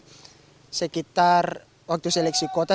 berat sih karena pada saat itu yang ikut seleksi pas gibraka itu